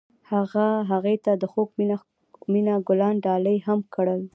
هغه هغې ته د خوږ مینه ګلان ډالۍ هم کړل.